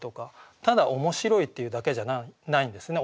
ただ面白いっていうだけじゃないんですね